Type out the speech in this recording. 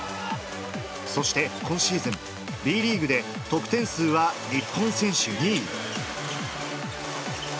そして、今シーズン、Ｂリーグで得点数は日本選手２位。